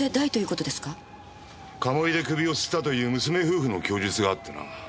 鴨居で首をつったという娘夫婦の供述があってな。